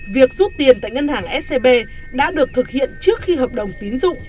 việc rút tiền tại ngân hàng scb đã được thực hiện trước khi hợp đồng tín dụng